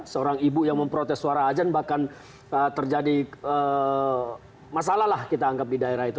seorang ibu yang memprotes suara ajan bahkan terjadi masalah lah kita anggap di daerah itu